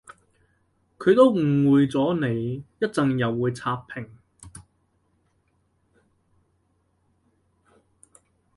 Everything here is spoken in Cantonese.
佢都誤會咗你，一陣又會刷屏